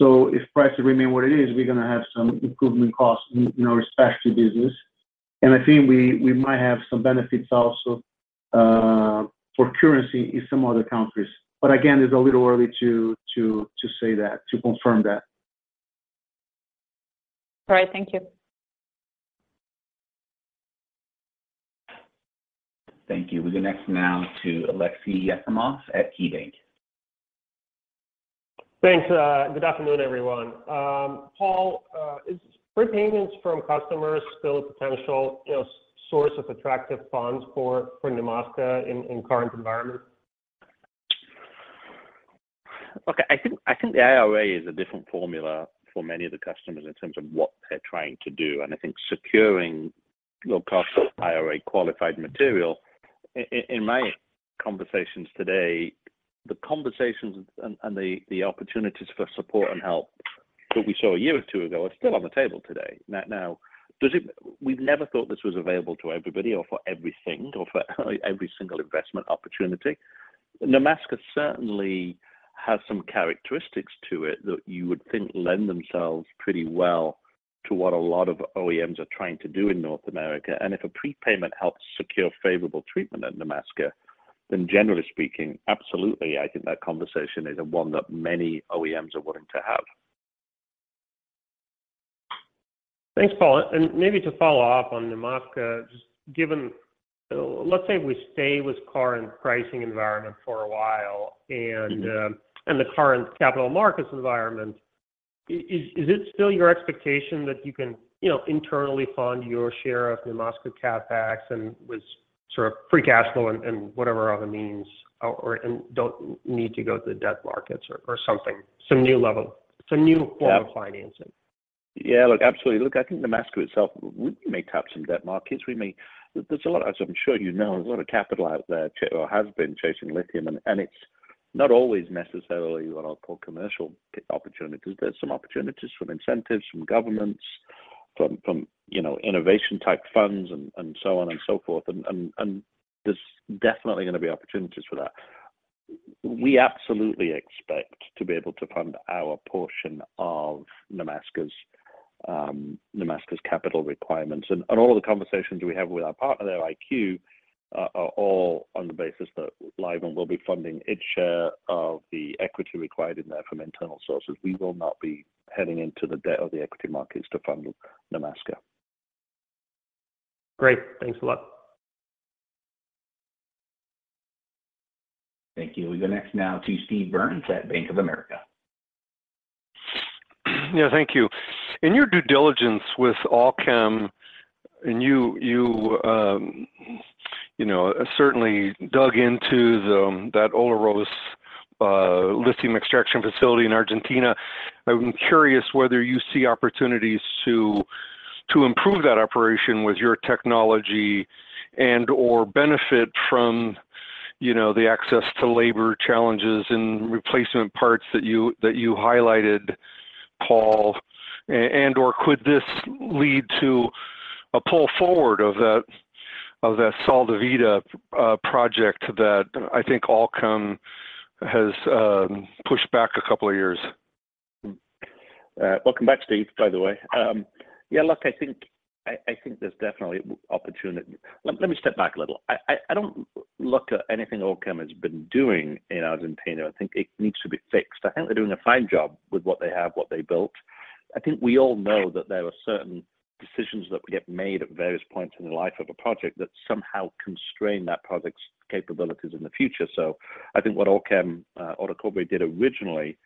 If prices remain what it is, we're going to have some improvement costs in respect to business. I think we might have some benefits also for currency in some other countries. Again, it's a little early to say that, to confirm that. All right. Thank you. Thank you. We go next now to Aleksey Yefremov at KeyBanc. Thanks. Good afternoon, everyone. Paul, is prepayments from customers still a potential, you know, source of attractive funds for Nemaska in current environment? Okay. I think, I think the IRA is a different formula for many of the customers in terms of what they're trying to do, and I think securing low-cost IRA qualified material, in my conversations today, the opportunities for support and help that we saw a year or two ago are still on the table today. Now, does it, we've never thought this was available to everybody or for everything or for every single investment opportunity. Nemaska certainly has some characteristics to it that you would think lend themselves pretty well to what a lot of OEMs are trying to do in North America. And if a prepayment helps secure favorable treatment at Nemaska, then generally speaking, absolutely, I think that conversation is one that many OEMs are willing to have. Thanks, Paul. And maybe to follow up on Nemaska, just given. Let's say we stay with current pricing environment for a while and, the current capital markets environment, is it still your expectation that you can, you know, internally fund your share of Nemaska CapEx and with sort of free cash flow and whatever other means, or don't need to go to the debt markets or something, some new level, some new form of financing? Yeah, look, absolutely. Look, I think Nemaska itself, we may tap some debt markets. We may... There's a lot, as I'm sure you know, a lot of capital out there to or has been chasing lithium, and, and it's not always necessarily what I'll call commercial opportunities. There's some opportunities from incentives, from governments, from, from, you know, innovation type funds and, and so on and so forth. And, and, and there's definitely going to be opportunities for that. We absolutely expect to be able to fund our portion of Nemaska's Nemaska's capital requirements. And, and all of the conversations we have with our partner there, IQ, are, are all on the basis that Livent will be funding its share of the equity required in there from internal sources. We will not be heading into the debt or the equity markets to fund Nemaska. Great. Thanks a lot. Thank you. We go next now to Steve Byrne at Bank of America, Yeah, thank you. In your due diligence with Allkem, and you know, certainly dug into that Olaroz lithium extraction facility in Argentina, I'm curious whether you see opportunities to improve that operation with your technology and/or benefit from, you know, the access to labor challenges and replacement parts that you highlighted, Paul, and/or could this lead to a pull forward of that Sal de Vida project that I think Allkem has pushed back a couple of years? Welcome back, Steve, by the way. Yeah, look, I think there's definitely opportunity. Let me step back a little. I don't look at anything Allkem has been doing in Argentina. I think it needs to be fixed. I think they're doing a fine job with what they have, what they built. I think we all know that there are certain decisions that get made at various points in the life of a project that somehow constrain that project's capabilities in the future. So I think what Allkem or the corporate did originally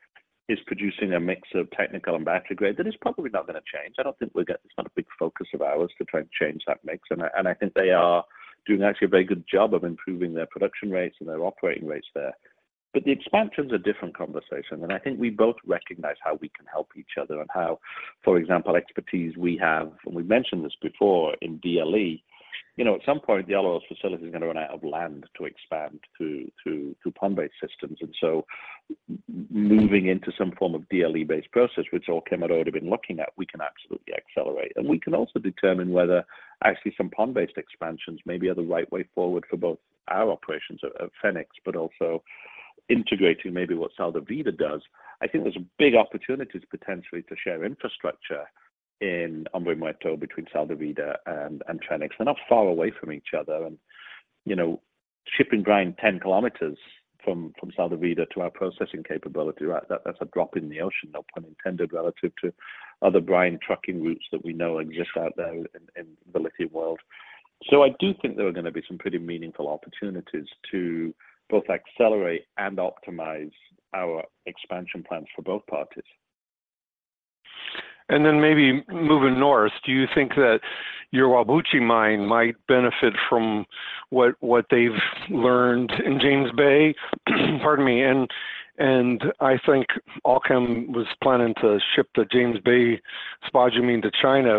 is producing a mix of technical and battery grade. That is probably not going to change. I don't think we're. It's not a big focus of ours to try and change that mix, and I think they are doing actually a very good job of improving their production rates and their operating rates there. But the expansion is a different conversation, and I think we both recognize how we can help each other and how, for example, expertise we have, and we've mentioned this before in DLE. You know, at some point, the Olaroz facility is going to run out of land to expand through pond-based systems. And so moving into some form of DLE-based process, which Allkem had already been looking at, we can absolutely accelerate. And we can also determine whether actually some pond-based expansions maybe are the right way forward for both our operations at Fénix, but also integrating maybe what Sal de Vida does. I think there's a big opportunities potentially to share infrastructure in Hombre Muerto between Sal de Vida and Fénix. They're not far away from each other and, you know, shipping brine 10 kilometers from Sal de Vida to our processing capability, right. That's a drop in the ocean, no pun intended, relative to other brine trucking routes that we know exist out there in the lithium world. So I do think there are gonna be some pretty meaningful opportunities to both accelerate and optimize our expansion plans for both parties. Then maybe moving north, do you think that your Whabouchi mine might benefit from what, what they've learned in James Bay? Pardon me. And I think Allkem was planning to ship the James Bay spodumene to China.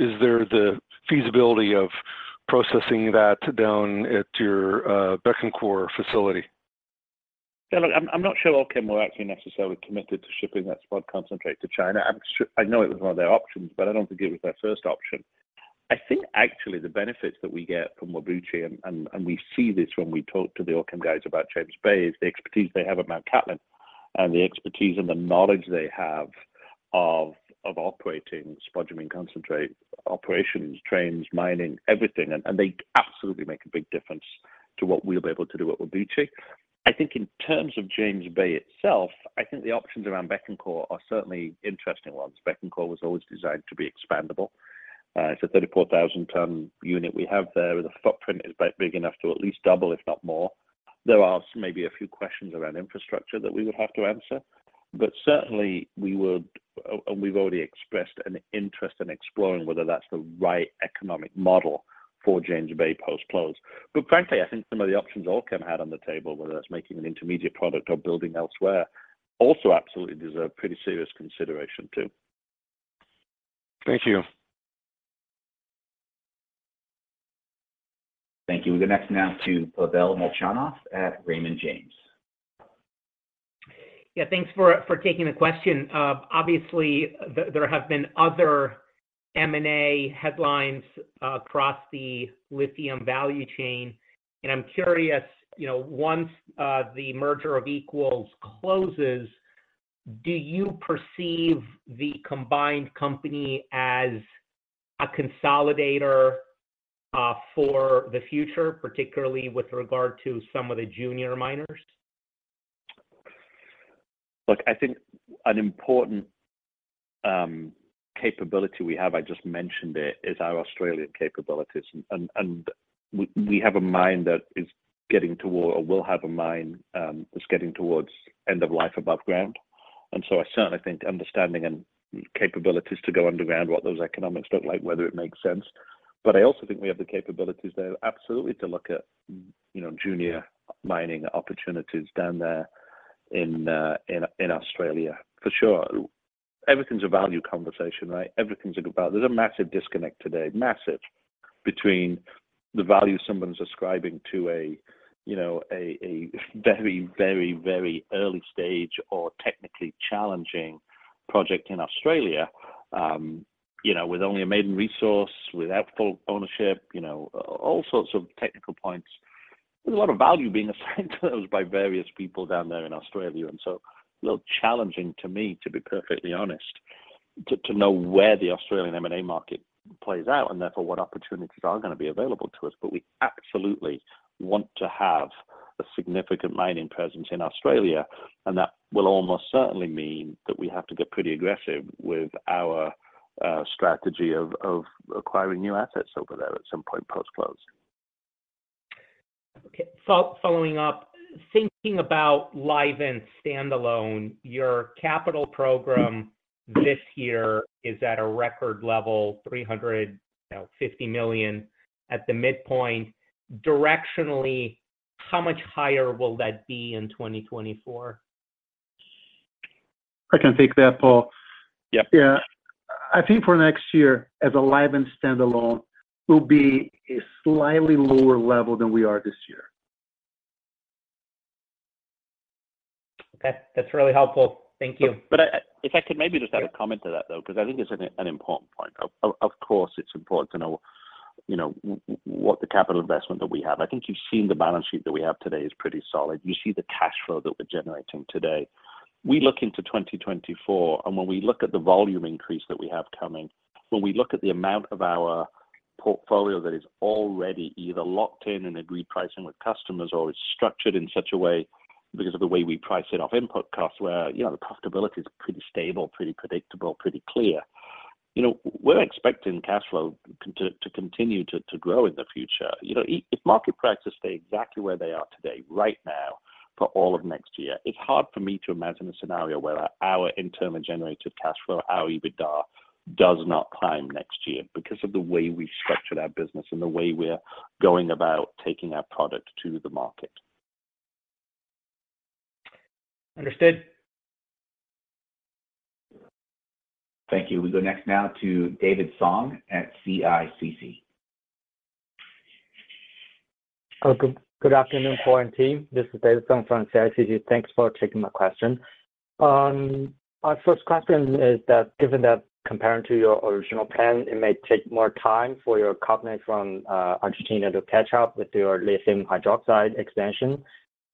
Is there the feasibility of processing that down at your Bécancour facility? Yeah, look, I'm not sure Allkem were actually necessarily committed to shipping that spodumene concentrate to China. I'm sure, I know it was one of their options, but I don't think it was their first option. I think actually the benefits that we get from Whabouchi, and we see this when we talk to the Allkem guys about James Bay, is the expertise they have at Mount Cattlin and the expertise and the knowledge they have of operating spodumene concentrate operations, trains, mining, everything, and they absolutely make a big difference to what we'll be able to do at Whabouchi. I think in terms of James Bay itself, I think the options around Bécancour are certainly interesting ones. Bécancour was always designed to be expandable. It's a 34,000-ton unit we have there, the footprint is about big enough to at least double, if not more. There are maybe a few questions around infrastructure that we would have to answer, but certainly we would, and we've already expressed an interest in exploring whether that's the right economic model for James Bay post-close. But frankly, I think some of the options Allkem had on the table, whether that's making an intermediate product or building elsewhere, also absolutely deserve pretty serious consideration, too. Thank you. Thank you. We go next now to Pavel Molchanov at Raymond James. Yeah, thanks for taking the question. Obviously, there have been other M&A headlines across the lithium value chain, and I'm curious, you know, once the merger of equals closes, do you perceive the combined company as a consolidator for the future, particularly with regard to some of the junior miners? Look, I think an important capability we have, I just mentioned it, is our Australian capabilities, and we have a mine that is getting toward or will have a mine that's getting towards end of life above ground. And so I certainly think understanding and capabilities to go underground, what those economics look like, whether it makes sense. But I also think we have the capabilities there absolutely to look at, you know, junior mining opportunities down there in Australia, for sure. Everything's a value conversation, right? Everything's about. There's a massive disconnect today, massive, between the value someone's ascribing to a, you know, a very, very, very early stage or technically challenging project in Australia, you know, with only a maiden resource, without full ownership, you know, all sorts of technical points. There's a lot of value being assigned to those by various people down there in Australia, and so a little challenging to me, to be perfectly honest, to know where the Australian M&A market plays out, and therefore, what opportunities are going to be available to us. But we absolutely want to have a significant mining presence in Australia, and that will almost certainly mean that we have to get pretty aggressive with our strategy of acquiring new assets over there at some point post-close. Okay. Following up, thinking about Livent standalone, your capital program this year is at a record level, $350 million at the midpoint. Directionally, how much higher will that be in 2024? I can take that, Paul. Yep. Yeah. I think for next year, as a Livent standalone, will be a slightly lower level than we are this year. Okay, that's really helpful. Thank you, But if I could maybe just add a comment to that, though, because I think it's an important point. Of course, it's important to know, you know, what the capital investment that we have. I think you've seen the balance sheet that we have today is pretty solid. You see the cash flow that we're generating today. We look into 2024, and when we look at the volume increase that we have coming, when we look at the amount of our portfolio that is already either locked in and agreed pricing with customers or is structured in such a way because of the way we price it off input costs, where, you know, the profitability is pretty stable, pretty predictable, pretty clear. You know, we're expecting cash flow to continue to grow in the future. You know, if market prices stay exactly where they are today, right now, for all of next year, it's hard for me to imagine a scenario where our interim and generated cash flow, our EBITDA, does not climb next year because of the way we've structured our business and the way we're going about taking our product to the market. Understood. Thank you. We go next now to David Zhang at CICC. Good, good afternoon, Paul and team. This is David Zhang from CICC. Thanks for taking my question. My first question is that given that comparing to your original plan, it may take more time for your carbonate from Argentina to catch up with your lithium hydroxide expansion.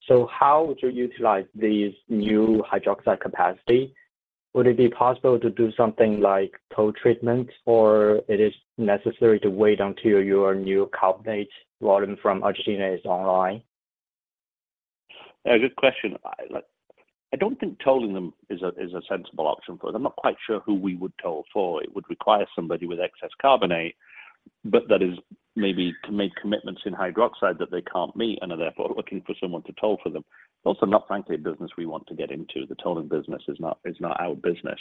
So how would you utilize these new hydroxide capacity? Would it be possible to do something like co-treatment, or it is necessary to wait until your new carbonate volume from Argentina is online? A good question. I, like, I don't think tolling them is a sensible option for them. I'm not quite sure who we would toll for. It would require somebody with excess carbonate, but that is maybe to make commitments in hydroxide that they can't meet and are therefore looking for someone to toll for them. Also, not frankly, a business we want to get into. The tolling business is not our business.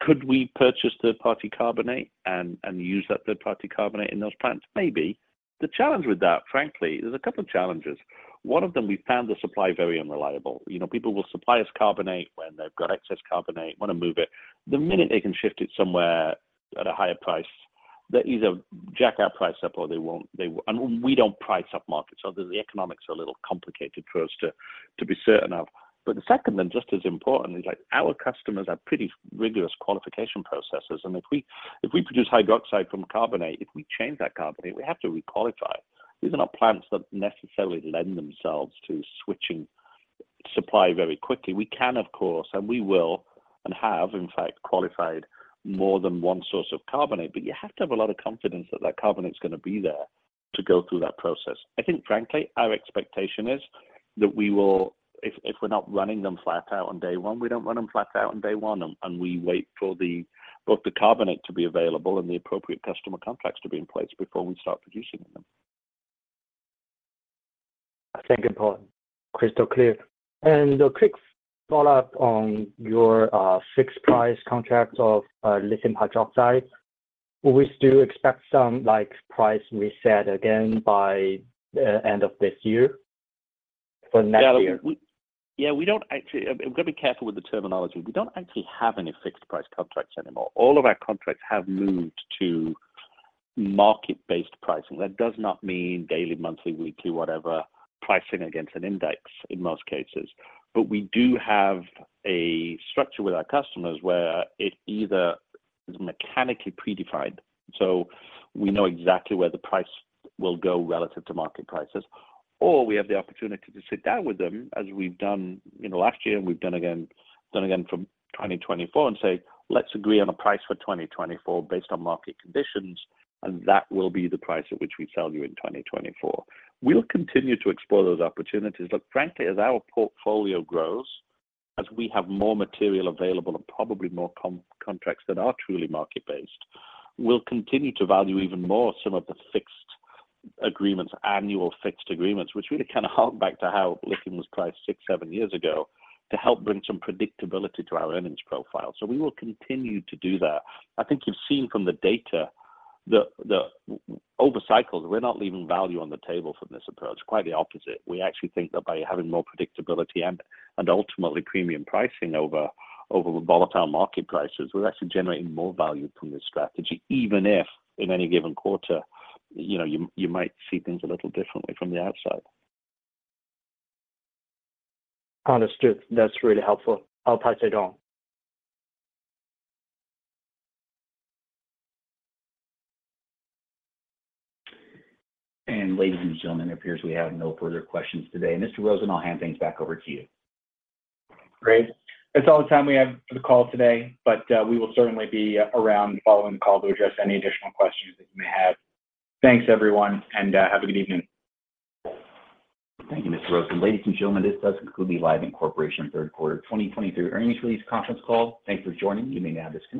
Could we purchase third-party carbonate and use that third-party carbonate in those plants? Maybe. The challenge with that, frankly, there's a couple of challenges. One of them, we found the supply very unreliable. You know, people will supply us carbonate when they've got excess carbonate, want to move it. The minute they can shift it somewhere at a higher price, they either jack our price up or they won't, they... We don't price up markets, so the economics are a little complicated for us to be certain of. But the second, and just as importantly, like, our customers have pretty rigorous qualification processes, and if we produce hydroxide from carbonate, if we change that carbonate, we have to requalify. These are not plants that necessarily lend themselves to switching supply very quickly. We can, of course, and we will, and have, in fact, qualified more than one source of carbonate, but you have to have a lot of confidence that that carbonate is going to be there to go through that process. I think, frankly, our expectation is that we will, if we're not running them flat out on day one, we don't run them flat out on day one, and we wait for both the carbonate to be available and the appropriate customer contracts to be in place before we start producing them, Thank you, Paul. Crystal clear. A quick follow-up on your fixed price contracts of lithium hydroxide. Will we still expect some, like, price reset again by the end of this year for next year? Yeah, we don't actually, I've got to be careful with the terminology. We don't actually have any fixed price contracts anymore. All of our contracts have moved to market-based pricing. That does not mean daily, monthly, weekly, whatever, pricing against an index in most cases. But we do have a structure with our customers where it either is mechanically predefined, so we know exactly where the price will go relative to market prices, or we have the opportunity to sit down with them, as we've done, you know, last year, and we've done again for 2024 and say, "Let's agree on a price for 2024 based on market conditions, and that will be the price at which we sell you in 2024." We'll continue to explore those opportunities. Look, frankly, as our portfolio grows, as we have more material available and probably more contracts that are truly market-based, we'll continue to value even more some of the fixed agreements, annual fixed agreements, which really hark back to how lithium was priced 6, 7 years ago, to help bring some predictability to our earnings profile. So we will continue to do that. I think you've seen from the data that over cycles, we're not leaving value on the table from this approach. Quite the opposite. We actually think that by having more predictability and ultimately premium pricing over the volatile market prices, we're actually generating more value from this strategy, even if in any given quarter, you know, you might see things a little differently from the outside. Understood. That's really helpful. I'll pass it on. Ladies and gentlemen, it appears we have no further questions today. Mr. Rosen, I'll hand things back over to you. Great. That's all the time we have for the call today, but, we will certainly be around following the call to address any additional questions that you may have. Thanks, everyone, and, have a good evening. Thank you, Mr. Rosen. Ladies and gentlemen, this does conclude the Livent Corporation Q3 2023 earnings release conference call. Thanks for joining. You may now disconnect.